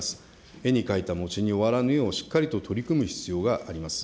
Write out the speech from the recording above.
絵に描いた餅に終わらぬよう、しっかりと取り組む必要があります。